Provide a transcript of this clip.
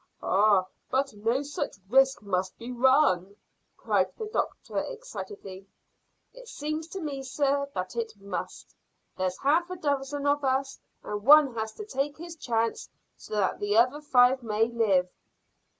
"Oh, but no such risk must be run," cried the doctor excitedly. "It seems to me, sir, that it must. There's half a dozen of us, and one has to take his chance so that the other five may live."